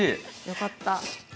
よかった。